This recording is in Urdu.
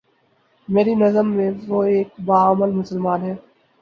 میری نظر میں وہ ایک با عمل مسلمان ہے